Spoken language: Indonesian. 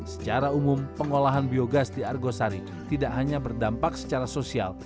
secara umum pengolahan biogas di argosari tidak hanya berdampak secara sosial